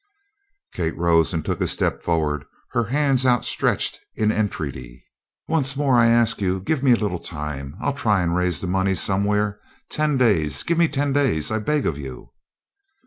Kate rose and took a step forward, her hands outstretched in entreaty: "Once more I ask you give me a little time I'll try and raise the money somewhere ten days give me ten days I beg of you!"